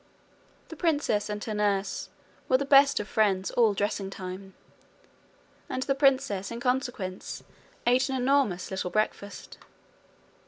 The princess and her nurse were the best of friends all dressing time, and the princess in consequence ate an enormous little breakfast.